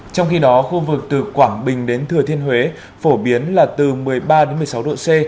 trong khi đó khu vực từ quảng bình đến thừa thiên huế phổ biến là từ một mươi ba đến một mươi sáu độ c